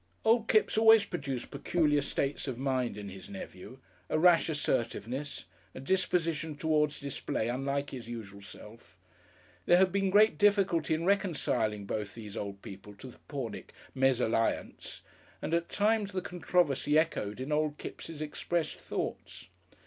Old Kipps always produced peculiar states of mind in his nephew, a rash assertiveness, a disposition towards display unlike his usual self. There had been great difficulty in reconciling both these old people to the Pornick mesalliance, and at times the controversy echoed in old Kipps' expressed thoughts.